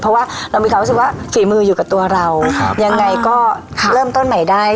เพราะว่าเรามีความรู้สึกว่าฝีมืออยู่กับตัวเรายังไงก็เริ่มต้นใหม่ได้